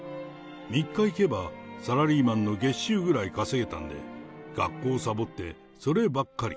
３日行けばサラリーマンの月収ぐらい稼げたんで、学校さぼって、そればっかり。